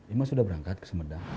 ima sudah berangkat ke sumedang